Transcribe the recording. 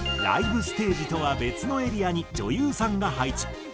ライブステージとは別のエリアに女優さんが配置。